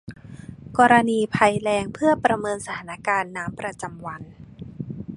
กรณีภัยแล้งเพื่อประเมินสถานการณ์น้ำประจำวัน